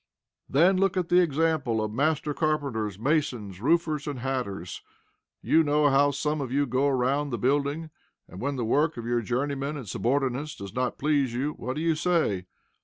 Then look at the example of master carpenters, masons, roofers, and hatters. You know how some of you go around the building, and, when the work of your journeyman and subordinates does not please you, what do you say?